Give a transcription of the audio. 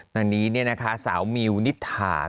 ตอนนี้นะคะสาวมิวนิทา